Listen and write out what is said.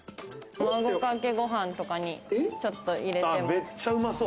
卵かけご飯とかに、ちょっと入れても。